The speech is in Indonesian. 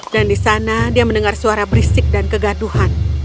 dan di sana dia mendengar suara berisik dan kegaduhan